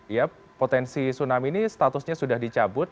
ya potensi tsunami ini statusnya sudah dicabut